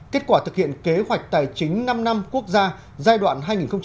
kết quả thực hiện kế hoạch tài chính năm năm quốc gia giai đoạn hai nghìn một mươi sáu hai nghìn hai mươi